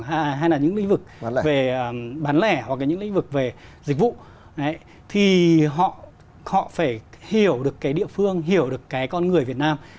hay là những lĩnh vực về bán lẻ hoặc là những lĩnh vực về dịch vụ thì họ phải hiểu được cái địa phương hiểu được cái con người việt nam